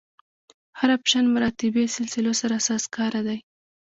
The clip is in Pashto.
هر اپشن مراتبي سلسلو سره سازګاره دی.